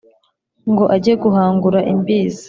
Ngo ajye guhangura Imbizi .